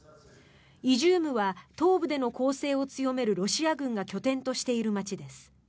イジュームは東部での攻勢を強めるロシア軍が拠点としている街です。